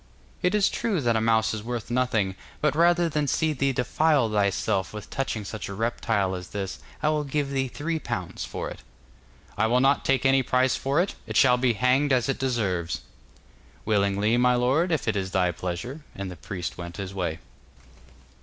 'It is true that a mouse is worth nothing, but rather than see thee defile thyself with touching such a reptile as this, I will give thee three pounds for it.' 'I will not take any price for it. It shall be hanged as it deserves.' 'Willingly, my lord, if it is thy pleasure.' And the priest went his way.